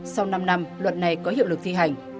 sau năm năm luật này có hiệu lực thi hành